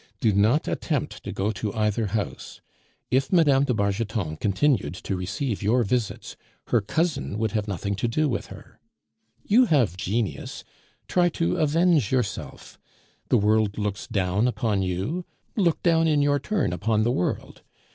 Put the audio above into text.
Do not attempt to go to either house. If Mme. de Bargeton continued to receive your visits, her cousin would have nothing to do with her. You have genius; try to avenge yourself. The world looks down upon you; look down in your turn upon the world.